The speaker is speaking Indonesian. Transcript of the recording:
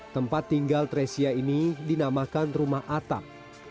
tempat tinggal tresia ini dinamakan rumah atap